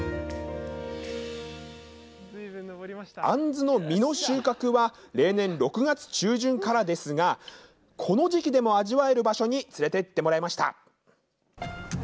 あんずの実の収穫は、例年６月中旬からですが、この時期でも味わえる場所に連れて行ってもらいました。